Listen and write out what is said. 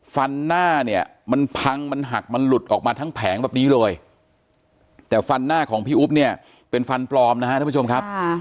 ฟันหน้าเนี่ยมันพังมันหักมันหลุดออกมาทั้งแผงแบบนี้เลยแต่ฟันหน้าของพี่อุ๊บเนี่ยเป็นฟันปลอมนะฮะท่านผู้ชมครับ